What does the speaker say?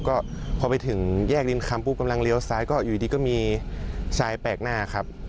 ก็พอไปถึงแยกริมคำปุ๊บกำลังเลี้ยวซ้ายก็อยู่ดีก็มีทรายแปลกหน้าครับ